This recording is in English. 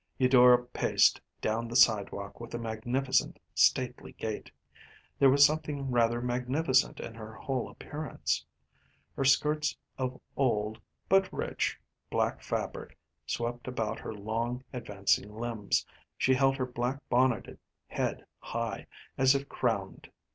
Eudora paced down the sidewalk with a magnificent, stately gait. There was something rather magnificent in her whole appearance. Her skirts of old, but rich, black fabric swept about her long, advancing limbs; she held her black bonneted head high, as if crowned.